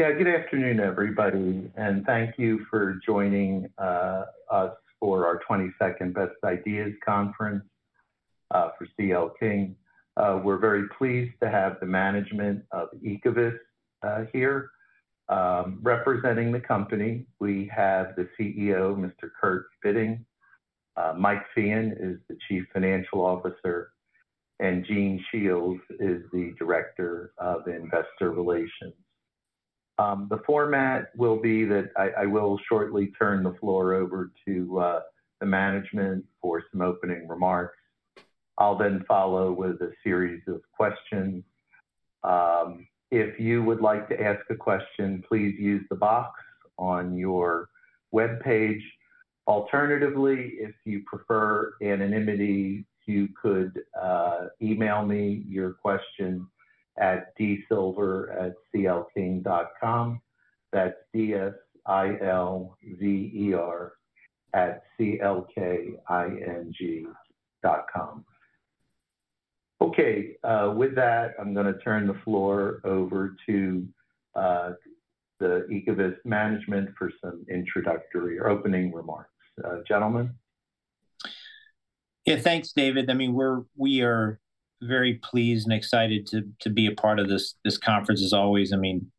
Yeah, good afternoon, everybody, and thank you for joining us for our twenty-second Best Ideas Conference for CL King. We're very pleased to have the management of Ecovyst here. Representing the company, we have the CEO, Mr. Kurt Bitting. Mike Feehan is the Chief Financial Officer, and Gene Shiels is the Director of Investor Relations. The format will be that I will shortly turn the floor over to the management for some opening remarks. I'll then follow with a series of questions. If you would like to ask a question, please use the box on your webpage. Alternatively, if you prefer anonymity, you could email me your question at dsilver@clking.com. That's D-S-I-L-V-E-R @C-L-K-I-N-G.com. Okay, with that, I'm gonna turn the floor over to the Ecovyst management for some introductory or opening remarks. Gentlemen? Yeah, thanks, David. I mean, we are very pleased and excited to be a part of this conference, as always. I mean,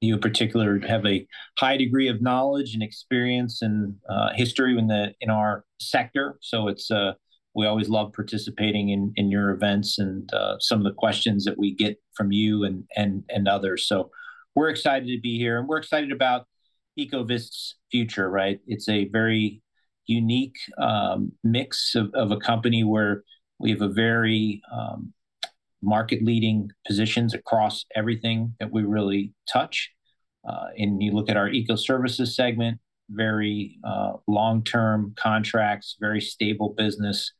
you in particular have a high degree of knowledge and experience and history in our sector. So it's... We always love participating in your events and some of the questions that we get from you and others. So we're excited to be here, and we're excited about Ecovyst's future, right? It's a very unique mix of a company where we have very market-leading positions across everything that we really touch. And you look at our Eco Services segment, very long-term contracts, very stable business.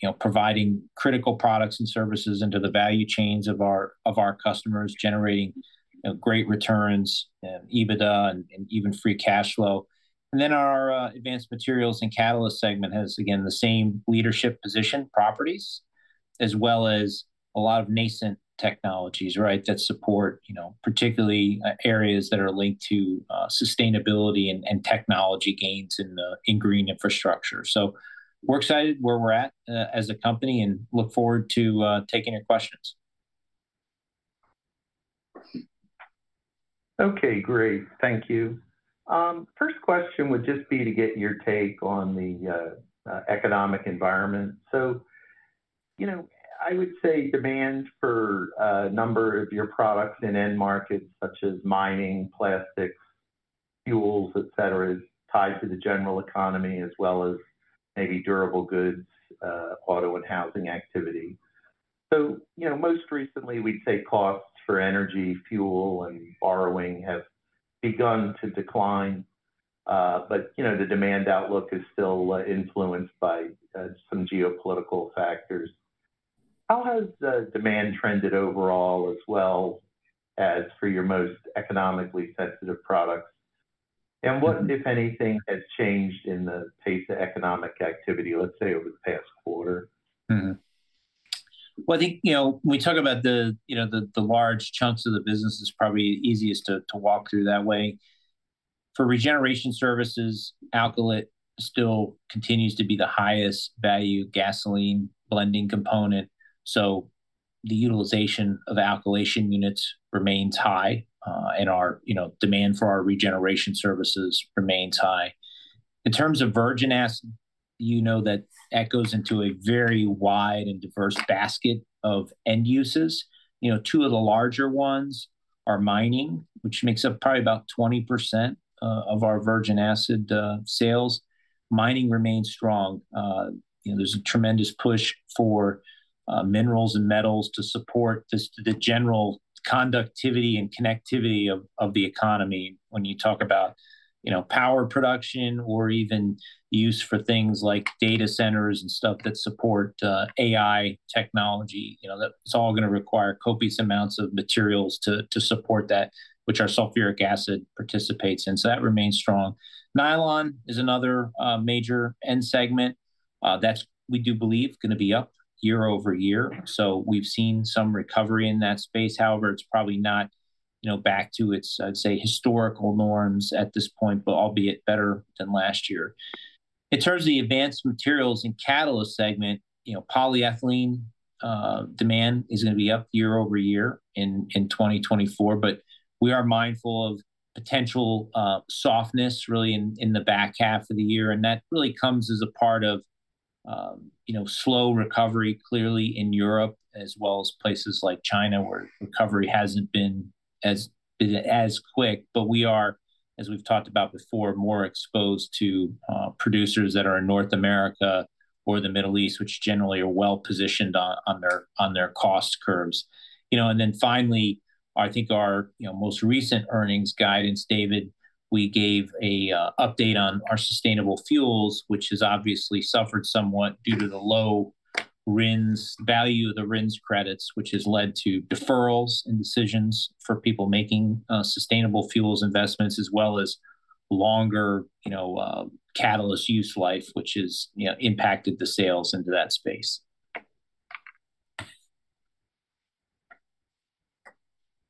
You know, providing critical products and services into the value chains of our customers, generating, you know, great returns and EBITDA and even free cash flow, and then our Advanced Materials and Catalysts segment has, again, the same leadership position properties, as well as a lot of nascent technologies, right? That support, you know, particularly, areas that are linked to sustainability and technology gains in green infrastructure, so we're excited where we're at, as a company, and look forward to taking your questions. Okay, great. Thank you. First question would just be to get your take on the economic environment. So, you know, I would say demand for a number of your products in end markets, such as mining, plastics, fuels, et cetera, is tied to the general economy, as well as maybe durable goods, auto and housing activity. So, you know, most recently, we'd say costs for energy, fuel, and borrowing have begun to decline, but, you know, the demand outlook is still influenced by some geopolitical factors. How has demand trended overall, as well as for your most economically sensitive products? And what, if anything, has changed in the pace of economic activity, let's say, over the past quarter? Mm-hmm. Well, I think, you know, we talk about the large chunks of the business is probably easiest to walk through that way. For regeneration services, alkylate still continues to be the highest value gasoline blending component, so the utilization of alkylation units remains high, and our, you know, demand for our regeneration services remains high. In terms of virgin acid, you know that that goes into a very wide and diverse basket of end uses. You know, two of the larger ones are mining, which makes up probably about 20% of our virgin acid sales. Mining remains strong. You know, there's a tremendous push for minerals and metals to support just the general conductivity and connectivity of, of the economy when you talk about, you know, power production or even use for things like data centers and stuff that support AI technology. You know, that... It's all gonna require copious amounts of materials to, to support that, which our sulfuric acid participates in, so that remains strong. Nylon is another major end segment that's, we do believe, gonna be up year over year. So we've seen some recovery in that space. However, it's probably not, you know, back to its, I'd say, historical norms at this point, but albeit better than last year. In terms of the advanced materials and catalyst segment, you know, polyethylene demand is gonna be up year over year in twenty twenty-four, but we are mindful of potential softness really in the back half of the year, and that really comes as a part of, you know, slow recovery, clearly in Europe, as well as places like China, where recovery hasn't been as quick. But we are, as we've talked about before, more exposed to producers that are in North America or the Middle East, which generally are well-positioned on their cost curves. You know, and then finally, I think our, you know, most recent earnings guidance, David, we gave a update on our sustainable fuels, which has obviously suffered somewhat due to the low RINs, value of the RINs credits, which has led to deferrals in decisions for people making sustainable fuels investments, as well as longer, you know, catalyst use life, which has, you know, impacted the sales into that space....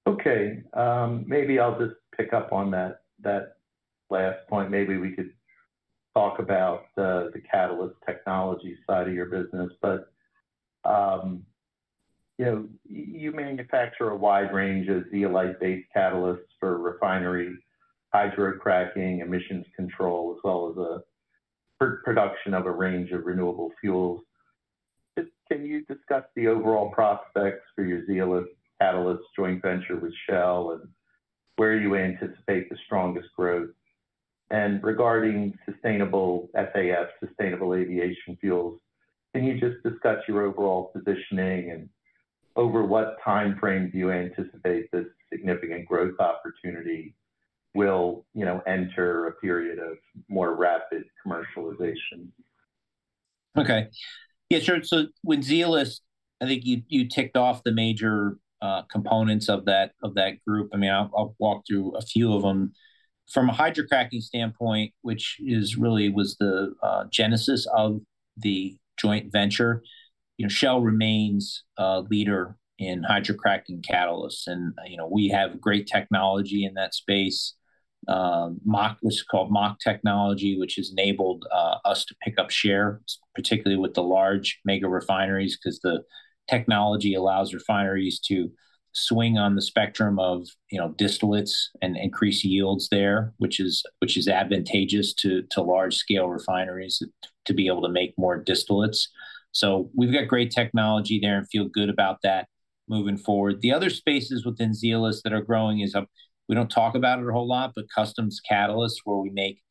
Okay, maybe I'll just pick up on that last point. Maybe we could talk about the catalyst technology side of your business, but you know, you manufacture a wide range of zeolite-based catalysts for refinery, hydrocracking, emissions control, as well as for production of a range of renewable fuels. Just can you discuss the overall prospects for your Zeolyst catalysts joint venture with Shell, and where you anticipate the strongest growth? And regarding sustainable SAF, sustainable aviation fuels, can you just discuss your overall positioning, and over what timeframe do you anticipate this significant growth opportunity will, you know, enter a period of more rapid commercialization? Okay. Yeah, sure. So with Zeolyst, I think you, you ticked off the major, components of that, of that group. I mean, I'll, I'll walk through a few of them. From a hydrocracking standpoint, which is really was the, genesis of the joint venture, you know, Shell remains a leader in hydrocracking catalysts, and, you know, we have great technology in that space. Max, it's called Max technology, which has enabled, us to pick up share, particularly with the large mega refineries, 'cause the technology allows refineries to swing on the spectrum of, you know, distillates and increase yields there, which is, which is advantageous to, to large scale refineries to be able to make more distillates. So we've got great technology there and feel good about that moving forward. The other spaces within Zeolyst that are growing is, we don't talk about it a whole lot, but custom catalysts, where we make,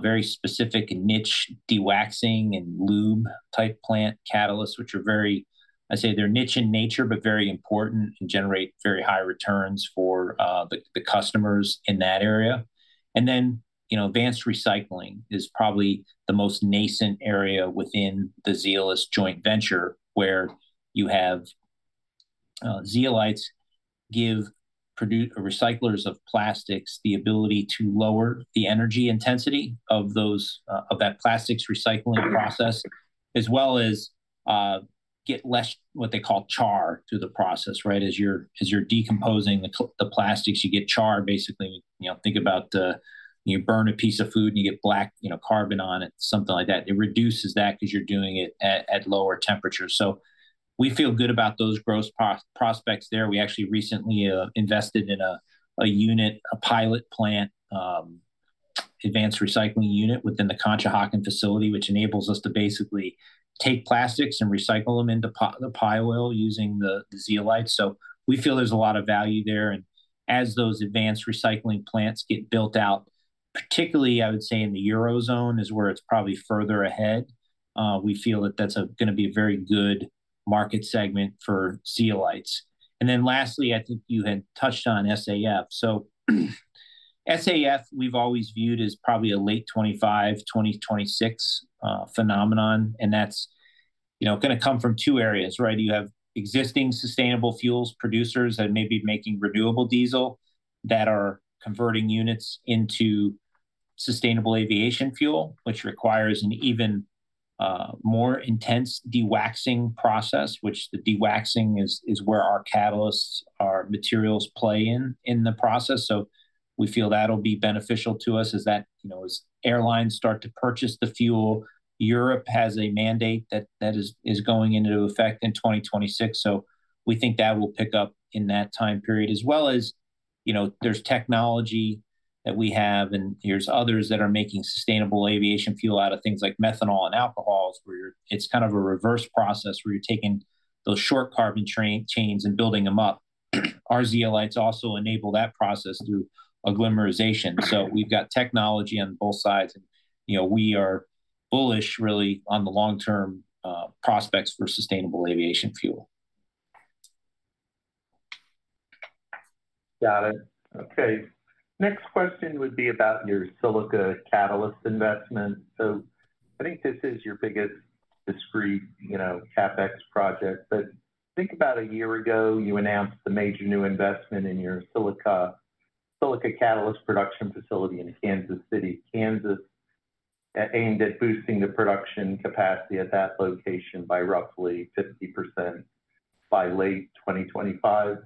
very specific and niche dewaxing and lube-type plant catalysts, which are very... I'd say they're niche in nature, but very important and generate very high returns for, the customers in that area. And then, you know, advanced recycling is probably the most nascent area within the Zeolyst joint venture, where you have, zeolites give recyclers of plastics the ability to lower the energy intensity of those, of that plastics recycling process, as well as, get less, what they call char, through the process, right? As you're decomposing the plastics, you get char, basically. You know, think about, you burn a piece of food, and you get black, you know, carbon on it, something like that. It reduces that 'cause you're doing it at lower temperatures. So we feel good about those growth prospects there. We actually recently invested in a unit, a pilot plant, advanced recycling unit within the Conshohocken facility, which enables us to basically take plastics and recycle them into pyoil using the zeolite. So we feel there's a lot of value there, and as those advanced recycling plants get built out, particularly, I would say in the Eurozone, is where it's probably further ahead, we feel that that's gonna be a very good market segment for zeolites. And then lastly, I think you had touched on SAF. SAF, we've always viewed as probably a late 2025, 2026, phenomenon, and that's, you know, gonna come from two areas, right? You have existing sustainable fuels producers that may be making renewable diesel, that are converting units into sustainable aviation fuel, which requires an even more intense dewaxing process, which the dewaxing is where our catalysts, our materials play in, in the process. We feel that'll be beneficial to us as that, you know, as airlines start to purchase the fuel. Europe has a mandate that is going into effect in 2026, so we think that will pick up in that time period. As well as, you know, there's technology that we have, and there's others that are making sustainable aviation fuel out of things like methanol and alcohols, it's kind of a reverse process, where you're taking those short carbon chains and building them up. Our zeolites also enable that process through oligomerization. So we've got technology on both sides and, you know, we are bullish really on the long-term prospects for sustainable aviation fuel. Got it. Okay. Next question would be about your silica catalyst investment. So I think this is your biggest discrete, you know, CapEx project. But I think about a year ago, you announced a major new investment in your silica catalyst production facility in Kansas City, Kansas, aimed at boosting the production capacity at that location by roughly 50% by late 2025.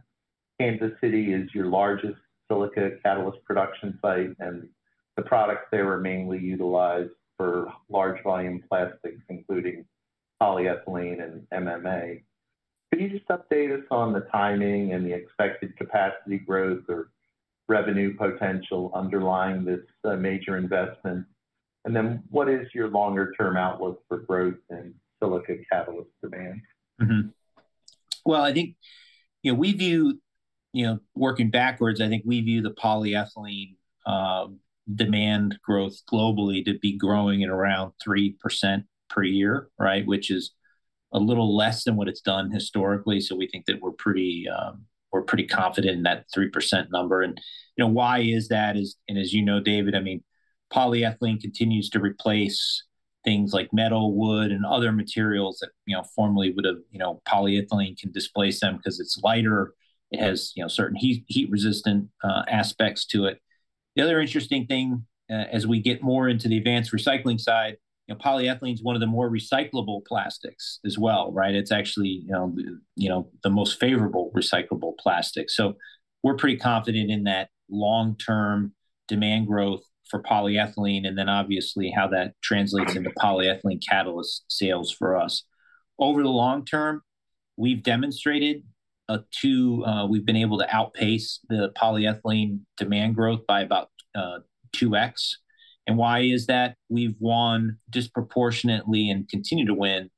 Kansas City is your largest silica catalyst production site, and the products there were mainly utilized for large volume plastics, including polyethylene and MMA. Can you just update us on the timing and the expected capacity growth or revenue potential underlying this major investment? And then, what is your longer term outlook for growth in silica catalyst demand? Mm-hmm. Well, I think, you know, we view. You know, working backwards, I think we view the polyethylene demand growth globally to be growing at around 3% per year, right? Which is a little less than what it's done historically, so we think that we're pretty confident in that 3% number. And, you know, why is that? And as you know, David, I mean, polyethylene continues to replace things like metal, wood, and other materials that, you know, formerly would've. You know, polyethylene can displace them 'cause it's lighter. It has, you know, certain heat-resistant aspects to it. The other interesting thing, as we get more into the advanced recycling side, you know, polyethylene is one of the more recyclable plastics as well, right? It's actually, you know, the most favorable recyclable plastic. So we're pretty confident in that long-term demand growth for polyethylene, and then obviously how that translates into polyethylene catalyst sales for us. Over the long term, we've demonstrated a two. We've been able to outpace the polyethylene demand growth by about two X. And why is that? We've won disproportionately and continue to win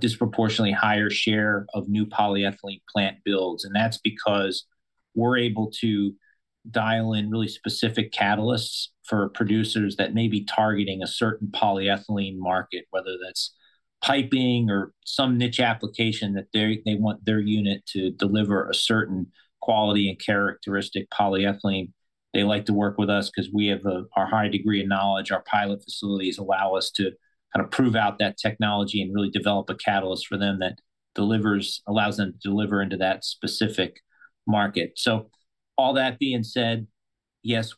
disproportionately higher share of new polyethylene plant builds. And that's because we're able to dial in really specific catalysts for producers that may be targeting a certain polyethylene market, whether that's piping or some niche application, that they, they want their unit to deliver a certain quality and characteristic polyethylene. They like to work with us 'cause we have a high degree of knowledge. Our pilot facilities allow us to kind of prove out that technology and really develop a catalyst for them that delivers, allows them to deliver into that specific market. So all that being said, yes,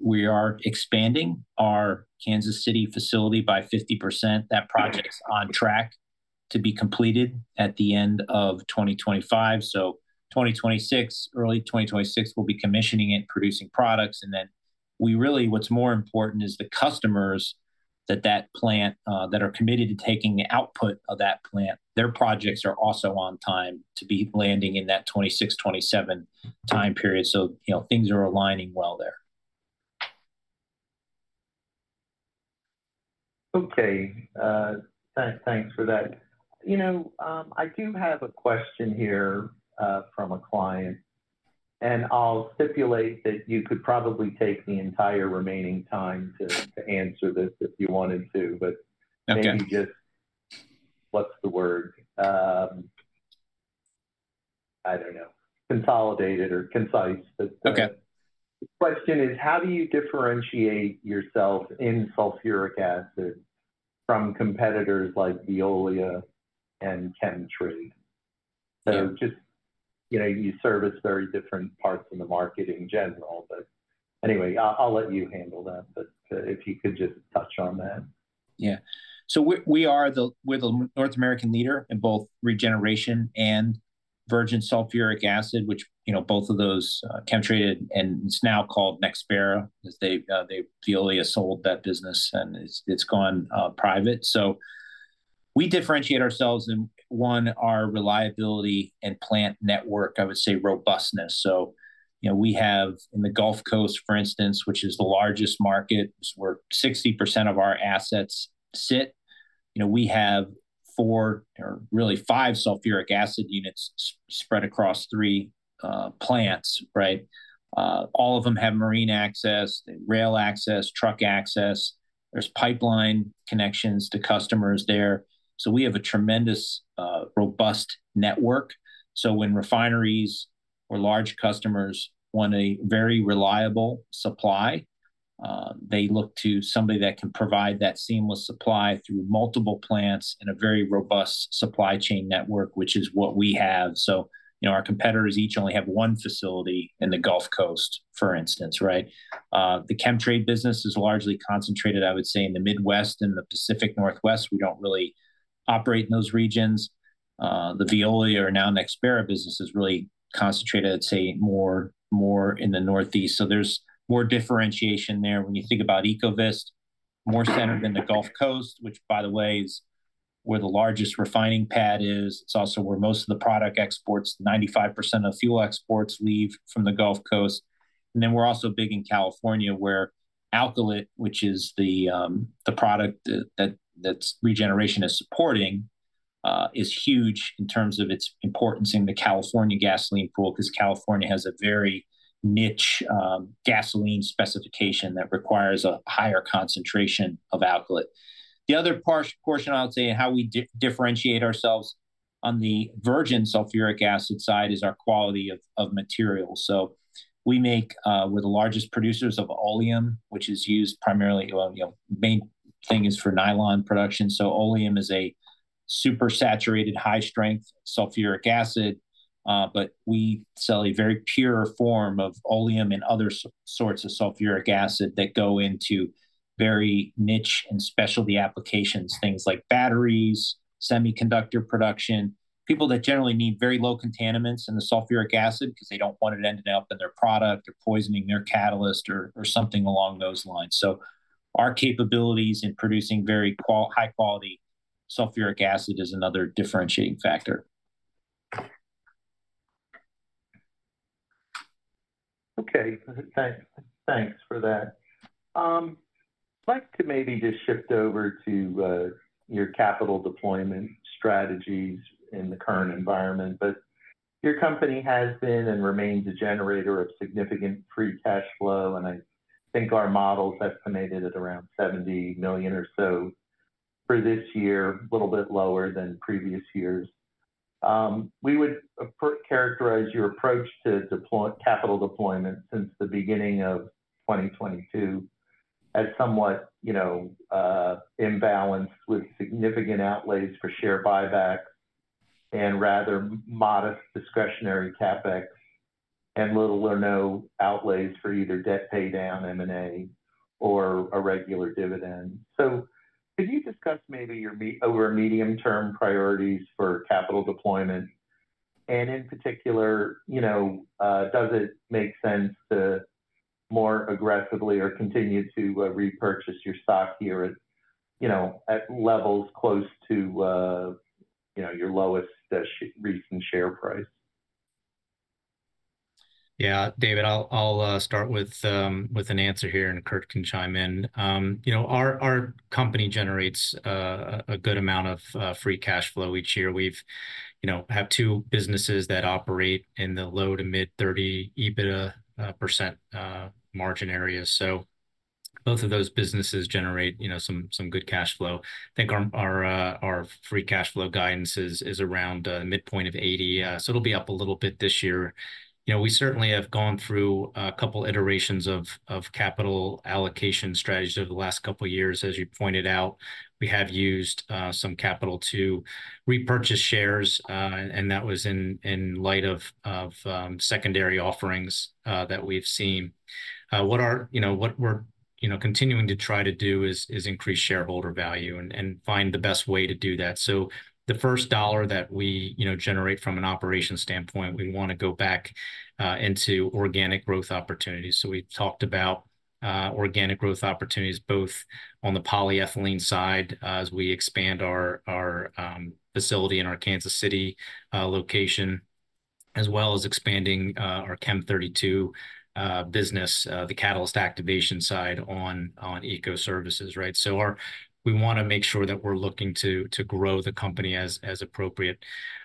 we are expanding our Kansas City facility by 50%. That project's on track to be completed at the end of 2025. So 2026, early 2026, we'll be commissioning it, producing products, and then we really, what's more important is the customers that that plant that are committed to taking the output of that plant, their projects are also on time to be landing in that 2026, 2027 time period. So, you know, things are aligning well there. Okay. Thanks for that. You know, I do have a question here from a client, and I'll stipulate that you could probably take the entire remaining time to answer this if you wanted to. Okay. But maybe just, what's the word? I don't know, consolidated or concise. Okay. The question is: How do you differentiate yourself in sulfuric acid from competitors like Veolia and Chemtrade? Yeah. So just, you know, you service very different parts of the market in general, but anyway, I'll let you handle that. But, if you could just touch on that. Yeah. So we are the North American leader in both regeneration and virgin sulfuric acid, which, you know, both of those, Chemtrade and Veolia. So we differentiate ourselves in one, our reliability and plant network, I would say, robustness. So, you know, we have in the Gulf Coast, for instance, which is the largest market, where 60% of our assets sit, you know, we have four or really five sulfuric acid units spread across three plants, right? All of them have marine access, rail access, truck access. There's pipeline connections to customers there. So we have a tremendous robust network. So when refineries or large customers want a very reliable supply, they look to somebody that can provide that seamless supply through multiple plants in a very robust supply chain network, which is what we have. So, you know, our competitors each only have one facility in the Gulf Coast, for instance, right? The Chemtrade business is largely concentrated, I would say, in the Midwest and the Pacific Northwest. We don't really operate in those regions. The Veolia or now Nexpara business is really concentrated, I'd say, more in the Northeast. So there's more differentiation there when you think about Ecovyst, more centered in the Gulf Coast, which, by the way, is where the largest refining pad is. It's also where most of the product exports, 95% of fuel exports leave from the Gulf Coast. And then we're also big in California, where alkylate, which is the product that regeneration is supporting, is huge in terms of its importance in the California gasoline pool, because California has a very niche gasoline specification that requires a higher concentration of alkylate. The other portion, I would say, how we differentiate ourselves on the virgin sulfuric acid side is our quality of materials. So we make, we're the largest producers of oleum, which is used primarily, well, you know, main thing is for nylon production. So oleum is a supersaturated, high-strength sulfuric acid, but we sell a very pure form of oleum and other sorts of sulfuric acid that go into very niche and specialty applications. Things like batteries, semiconductor production, people that generally need very low contaminants in the sulfuric acid because they don't want it ending up in their product or poisoning their catalyst or something along those lines. So our capabilities in producing very high-quality sulfuric acid is another differentiating factor. Okay. Thanks for that. I'd like to maybe just shift over to your capital deployment strategies in the current environment, but your company has been and remains a generator of significant free cash flow, and I think our models estimated at around $70 million or so for this year, a little bit lower than previous years. We would characterize your approach to capital deployment since the beginning of 2022 as somewhat, you know, imbalanced, with significant outlays for share buybacks and rather modest discretionary CapEx and little or no outlays for either debt pay down, M&A, or a regular dividend. Could you discuss maybe your medium-term priorities for capital deployment? In particular, you know, does it make sense to more aggressively or continue to repurchase your stock here at, you know, at levels close to, you know, your lowest recent share price? Yeah, David, I'll start with an answer here, and Kurt can chime in. You know, our company generates a good amount of free cash flow each year. We've, you know, have two businesses that operate in the low to mid-30% EBITDA margin area. So both of those businesses generate, you know, some good cash flow. I think our free cash flow guidance is around midpoint of $80 million, so it'll be up a little bit this year. You know, we certainly have gone through a couple iterations of capital allocation strategies over the last couple of years. As you pointed out, we have used some capital to repurchase shares, and that was in light of secondary offerings that we've seen. What are... You know, what we're, you know, continuing to try to do is increase shareholder value and find the best way to do that. So the first dollar that we, you know, generate from an operation standpoint, we want to go back into organic growth opportunities. So we've talked about organic growth opportunities, both on the polyethylene side, as we expand our facility in our Kansas City location, as well as expanding our Chem32 business, the catalyst activation side on Eco Services, right? So we want to make sure that we're looking to grow the company as appropriate.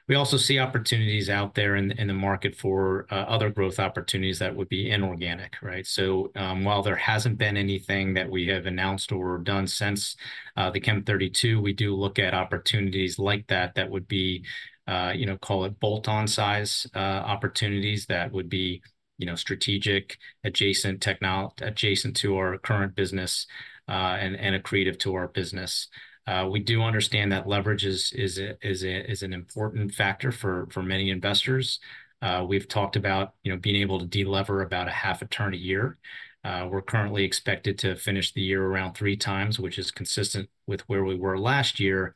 We also see opportunities out there in the market for other growth opportunities that would be inorganic, right? While there hasn't been anything that we have announced or done since the Chem32, we do look at opportunities like that that would be, you know, call it bolt-on size opportunities that would be, you know, strategic, adjacent to our current business, and accretive to our business. We do understand that leverage is an important factor for many investors. We've talked about, you know, being able to de-lever about a half a turn a year. We're currently expected to finish the year around three times, which is consistent with where we were last year,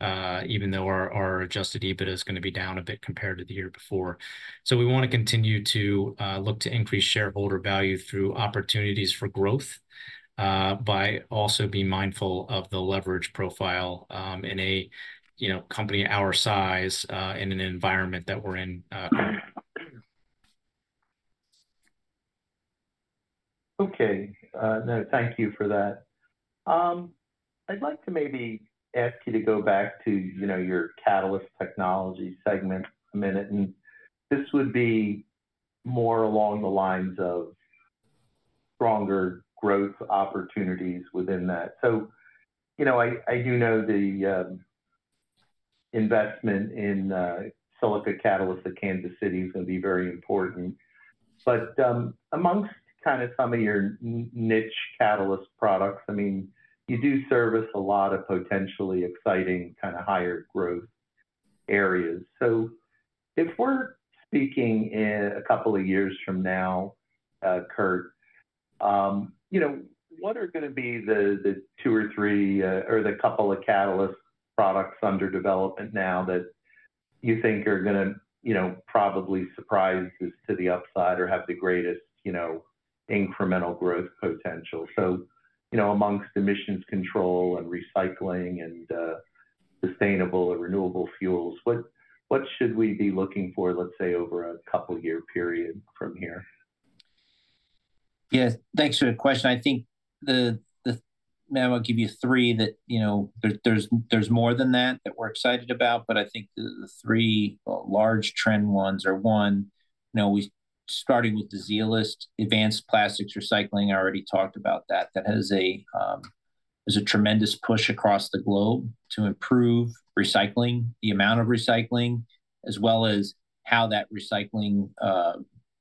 even though our adjusted EBITDA is going to be down a bit compared to the year before. So we want to continue to look to increase shareholder value through opportunities for growth, by also being mindful of the leverage profile, in a you know company our size, in an environment that we're in. Okay. No, thank you for that. I'd like to maybe ask you to go back to, you know, your catalyst technology segment a minute, and this would be more along the lines of stronger growth opportunities within that. So, you know, I do know the investment in silica catalyst at Kansas City is going to be very important. But, amongst kind of some of your niche catalyst products, I mean, you do service a lot of potentially exciting kind of higher growth areas. So if we're speaking in a couple of years from now, Kurt, you know, what are going to be the two or three, or the couple of catalyst products under development now that you think are gonna, you know, probably surprise us to the upside or have the greatest, you know, incremental growth potential? You know, among emissions control and recycling and sustainable and renewable fuels, what should we be looking for, let's say, over a couple year period from here? Yes, thanks for the question. I think... Now, I'll give you three that, you know, there's more than that that we're excited about. But I think the three large trend ones are, one, you know, we're starting with the Zeolyst Advanced Plastics Recycling, I already talked about that. That has a, there's a tremendous push across the globe to improve recycling, the amount of recycling, as well as how that recycling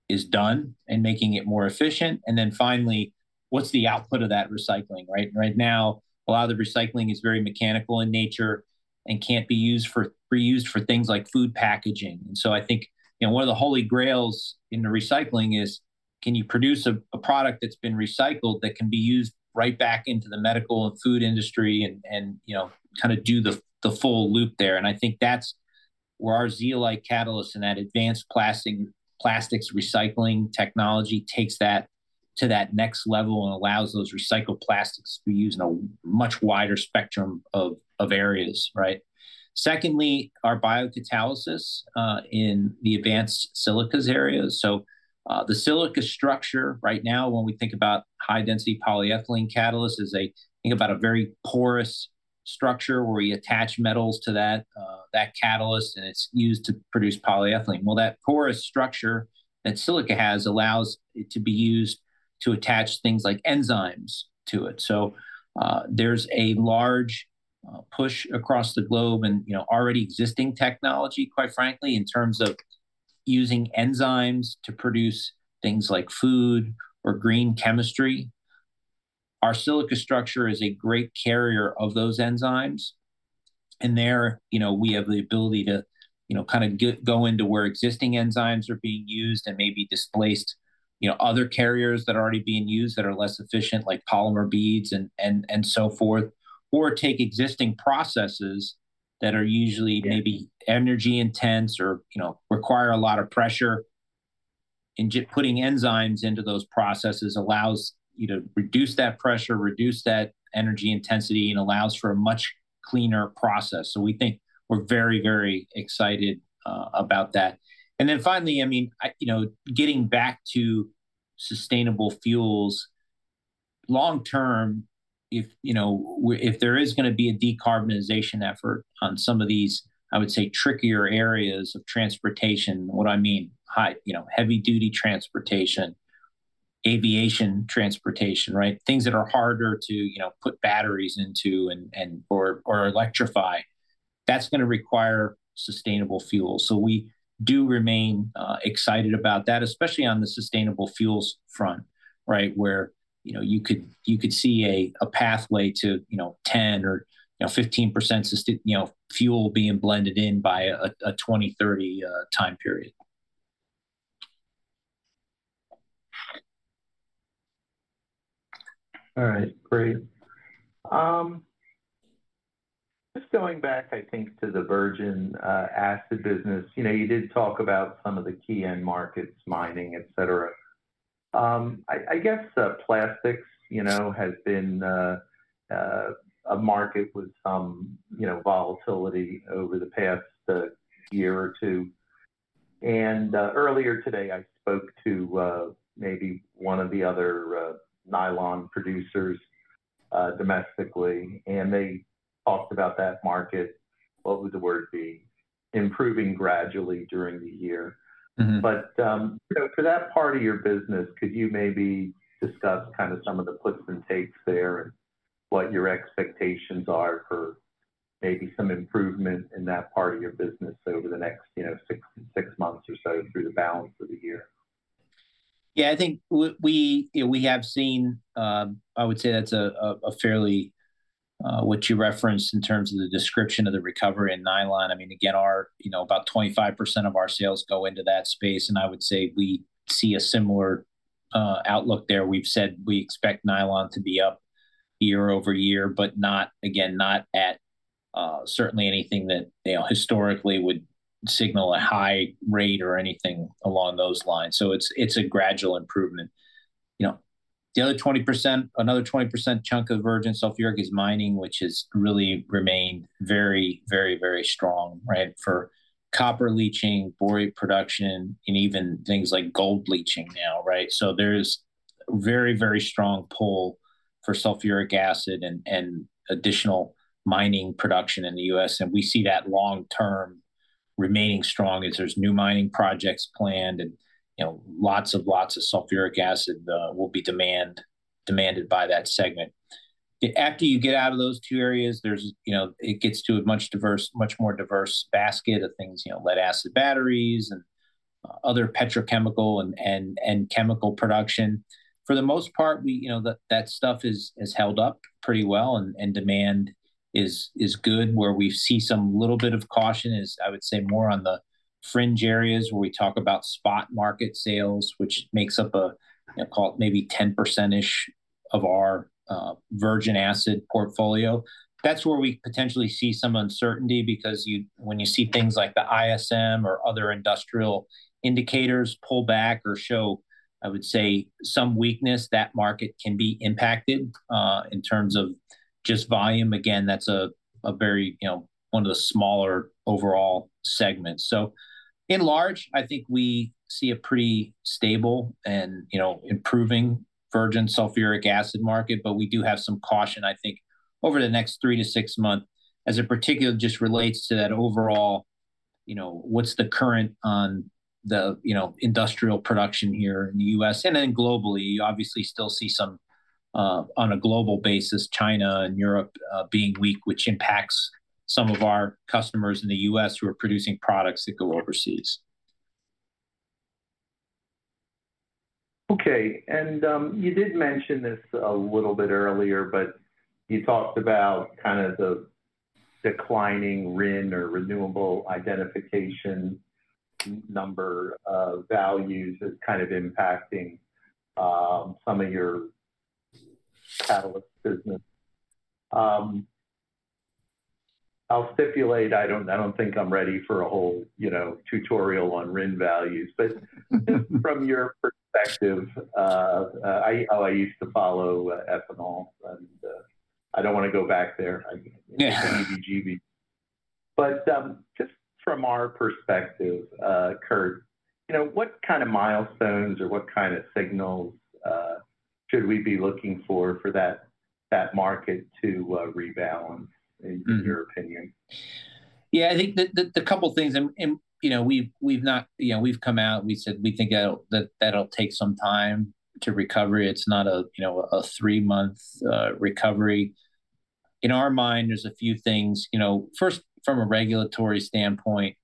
is done, and making it more efficient. And then finally, what's the output of that recycling, right? Right now, a lot of the recycling is very mechanical in nature and can't be reused for things like food packaging. So I think, you know, one of the holy grails in the recycling is: can you produce a product that's been recycled that can be used right back into the medical and food industry and, you know, kind of do the full loop there? I think that's where our zeolite catalyst and that advanced plastic-plastics recycling technology takes that to that next level and allows those recycled plastics to be used in a much wider spectrum of areas, right? Secondly, our biocatalysis in the advanced silicas areas. The silica structure right now, when we think about high-density polyethylene catalyst, is. Think about a very porous structure, where we attach metals to that catalyst, and it's used to produce polyethylene. That porous structure that silica has allows it to be used to attach things like enzymes to it. So, there's a large push across the globe and, you know, already existing technology, quite frankly, in terms of using enzymes to produce things like food or green chemistry. Our silica structure is a great carrier of those enzymes. And there, you know, we have the ability to, you know, kinda go into where existing enzymes are being used and maybe displaced, you know, other carriers that are already being used that are less efficient, like polymer beads and so forth. Or take existing processes that are usually maybe energy intense or, you know, require a lot of pressure, and just putting enzymes into those processes allows you to reduce that pressure, reduce that energy intensity, and allows for a much cleaner process. So we think we're very, very excited about that. And then finally, I mean, you know, getting back to sustainable fuels, long term, if, you know, if there is gonna be a decarbonization effort on some of these, I would say, trickier areas of transportation. What I mean, high, you know, heavy duty transportation, aviation transportation, right? Things that are harder to, you know, put batteries into and or electrify, that's gonna require sustainable fuel. So we do remain excited about that, especially on the sustainable fuels front, right? Where, you know, you could see a pathway to, you know, ten or 15% sustainable fuel being blended in by a twenty thirty time period. All right, great. Just going back, I think, to the virgin acid business. You know, you did talk about some of the key end markets, mining, et cetera. I guess plastics, you know, has been a market with some, you know, volatility over the past year or two. And earlier today, I spoke to maybe one of the other nylon producers domestically, and they talked about that market. What would the word be? Improving gradually during the year. Mm-hmm. For that part of your business, could you maybe discuss kind of some of the puts and takes there, and what your expectations are for maybe some improvement in that part of your business over the next, you know, six months or so through the balance of the year? Yeah, I think we, you know, we have seen. I would say that's a fairly what you referenced in terms of the description of the recovery in nylon. I mean, again, our, you know, about 25% of our sales go into that space, and I would say we see a similar outlook there. We've said we expect nylon to be up year over year, but not, again, not at certainly anything that, you know, historically would signal a high rate or anything along those lines. So it's a gradual improvement. You know, the other 20%, another 20% chunk of virgin sulfuric is mining, which has really remained very strong, right? For copper leaching, borate production, and even things like gold leaching now, right? So there's very, very strong pull for sulfuric acid and additional mining production in the U.S., and we see that long term remaining strong as there's new mining projects planned. And, you know, lots of sulfuric acid will be demanded by that segment. After you get out of those two areas, there's, you know, it gets to a much diverse, much more diverse basket of things, you know, lead acid batteries and other petrochemical and chemical production. For the most part, we, you know, that stuff is held up pretty well and demand is good. Where we see some little bit of caution is, I would say, more on the fringe areas, where we talk about spot market sales, which makes up a, you know, call it maybe 10%-ish of our virgin acid portfolio. That's where we potentially see some uncertainty, because you when you see things like the ISM or other industrial indicators pull back or show, I would say, some weakness, that market can be impacted in terms of just volume. Again, that's a very, you know, one of the smaller overall segments. So in large, I think we see a pretty stable and, you know, improving virgin sulfuric acid market, but we do have some caution, I think, over the next three to six month, as it particularly just relates to that overall, you know, what's the current on the, you know, industrial production here in the U.S. And then globally, you obviously still see some on a global basis, China and Europe being weak, which impacts some of our customers in the U.S. who are producing products that go overseas. Okay, and, you did mention this a little bit earlier, but you talked about kind of the declining RIN, or Renewable Identification Number, values as kind of impacting some of your catalyst business. I'll stipulate, I don't think I'm ready for a whole, you know, tutorial on RIN values, but from your perspective, I used to follow ethanol, and I don't want to go back there. I Yeah. Heebie-jeebies, but just from our perspective, Kurt, you know, what kind of milestones, or what kind of signals, should we be looking for, for that, that market to rebalance? Mm-hmm... in your opinion? Yeah, I think the couple things and, you know, we've not, you know, we've come out and we said we think that'll take some time to recover. It's not a, you know, a three-month recovery. In our mind, there's a few things. You know, first, from a regulatory standpoint,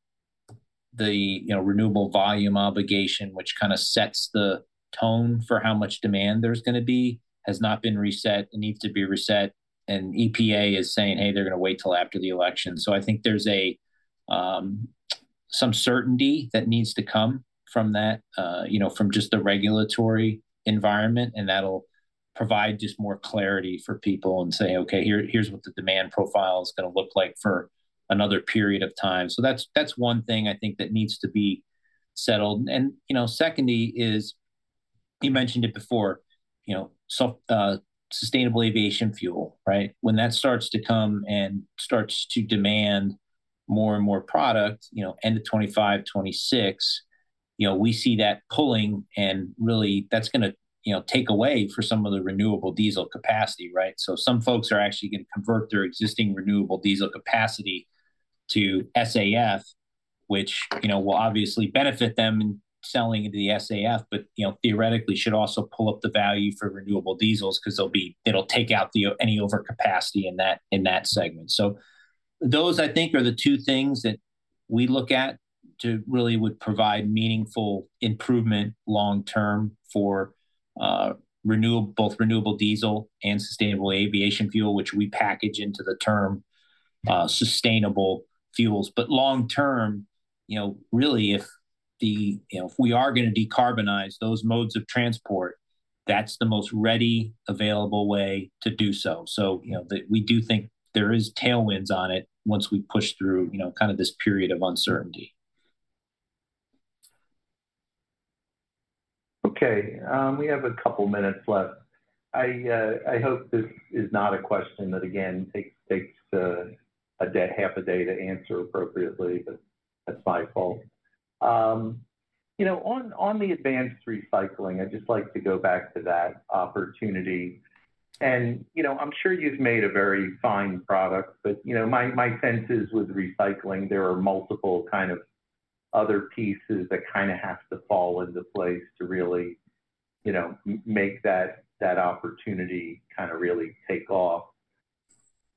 the, you know, Renewable Volume Obligation, which kind of sets the tone for how much demand there's gonna be, has not been reset. It needs to be reset, and EPA is saying, hey, they're gonna wait till after the election. So I think there's some certainty that needs to come from that, you know, from just the regulatory environment, and that'll provide just more clarity for people and say, "Okay, here, here's what the demand profile's gonna look like for another period of time." So that's, that's one thing I think that needs to be settled. And, you know, secondly is, you mentioned it before, you know, so, sustainable aviation fuel, right? When that starts to come and starts to demand more and more product, you know, end of 2025, 2026, you know, we see that pulling, and really that's gonna, you know, take away for some of the renewable diesel capacity, right? So some folks are actually gonna convert their existing renewable diesel capacity to SAF, which, you know, will obviously benefit them in selling into the SAF, but, you know, theoretically, should also pull up the value for renewable diesels 'cause it'll take out the, any overcapacity in that, in that segment. So those, I think, are the two things that we look at to really would provide meaningful improvement long term for both renewable diesel and sustainable aviation fuel, which we package into the term sustainable fuels. But long term, you know, really if the, you know, if we are gonna decarbonize those modes of transport, that's the most ready, available way to do so. So, you know, the, we do think there is tailwinds on it once we push through, you know, kind of this period of uncertainty. Okay, we have a couple minutes left. I hope this is not a question that, again, takes a day, half a day to answer appropriately, but that's my fault. You know, on the advanced recycling, I'd just like to go back to that opportunity and, you know, I'm sure you've made a very fine product, but, you know, my sense is, with recycling, there are multiple kind of other pieces that kind of have to fall into place to really, you know, make that opportunity kind of really take off.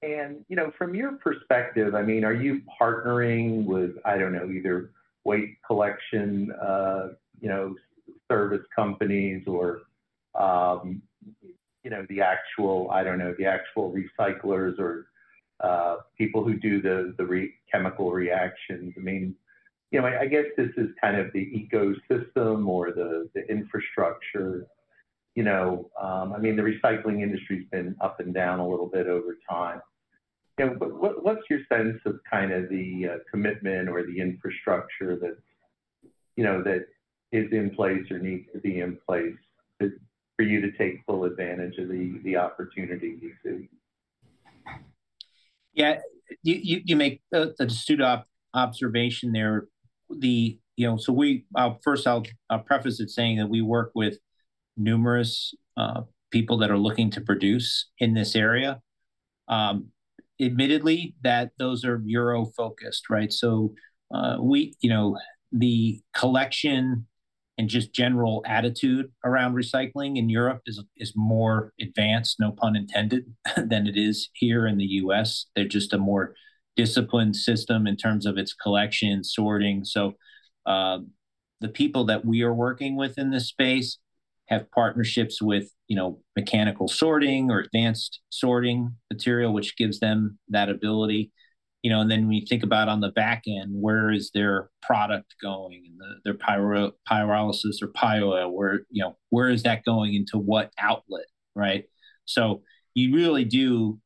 And, you know, from your perspective, I mean, are you partnering with, I don't know, either waste collection, you know, service companies or, you know, the actual, I don't know, the actual recyclers or, people who do the chemical reactions? I mean, you know, I guess this is kind of the ecosystem or the infrastructure, you know. I mean, the recycling industry's been up and down a little bit over time. You know, but what's your sense of kind of the commitment or the infrastructure that, you know, that is in place or needs to be in place for you to take full advantage of the opportunity you see? Yeah, you make an astute observation there. You know, so I'll first preface it saying that we work with numerous people that are looking to produce in this area. Admittedly, those are Euro-focused, right? So, we, you know, the collection and just general attitude around recycling in Europe is more advanced, no pun intended, than it is here in the US. They're just a more disciplined system in terms of its collection, sorting. So, the people that we are working with in this space have partnerships with, you know, mechanical sorting or advanced sorting material, which gives them that ability. You know, and then when you think about on the back end, where is their product going, and their pyrolysis or pyoil, where, you know, where is that going, into what outlet, right? So you really do,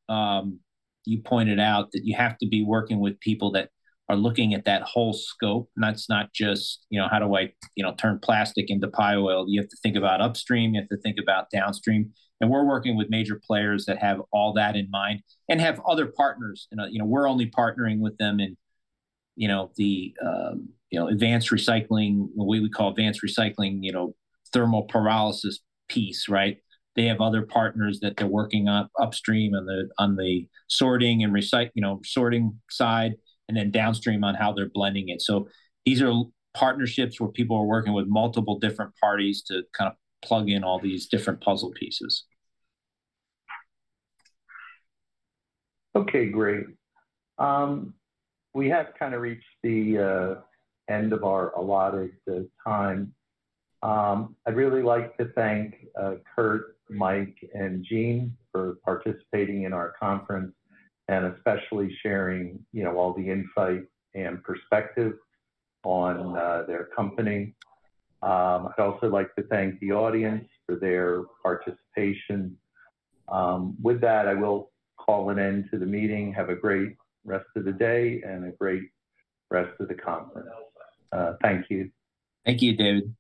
you pointed out that you have to be working with people that are looking at that whole scope, and that's not just, you know, "How do I, you know, turn plastic into pyoil?" You have to think about upstream, you have to think about downstream, and we're working with major players that have all that in mind and have other partners. And, you know, we're only partnering with them in, you know, the, you know, advanced recycling, what we would call advanced recycling, you know, thermal pyrolysis piece, right? They have other partners that they're working upstream on the, on the sorting and recycling, you know, sorting side, and then downstream on how they're blending it. So these are partnerships where people are working with multiple different parties to kind of plug in all these different puzzle pieces. Okay, great. We have kind of reached the end of our allotted time. I'd really like to thank Kurt, Mike, and Gene for participating in our conference, and especially sharing, you know, all the insight and perspective on their company. I'd also like to thank the audience for their participation. With that, I will call an end to the meeting. Have a great rest of the day and a great rest of the conference. Thank you. Thank you, David.